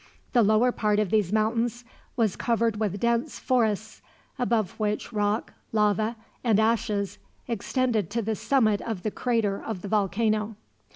The lower part of these mountains was covered with dense forests, above which rock, lava, and ashes extended to the summit of the crater of the volcano.